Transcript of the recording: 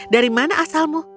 dari mana asalmu